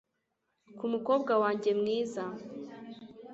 ku mukobwa wanjye mwiza